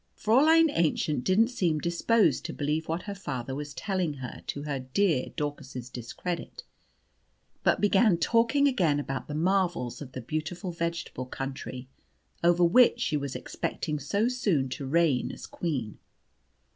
Fräulein Aennchen didn't seem disposed to believe what her father was telling her to her dear Daucus's discredit, but began talking again about the marvels of the beautiful vegetable country over which she was expecting so soon to reign as queen.